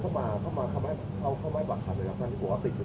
หมอบรรยาหมอบรรยาหมอบรรยาหมอบรรยา